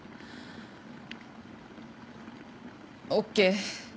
ＯＫ。